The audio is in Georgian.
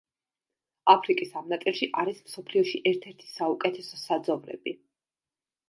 აფრიკის ამ ნაწილში არის მსოფლიოში ერთ-ერთი საუკეთესო საძოვრები.